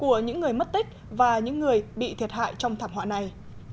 của những người mất tích và những người bị thiệt hại trong thảm họa này